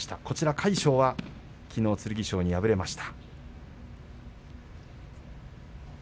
魁勝はきのう剣翔に敗れました。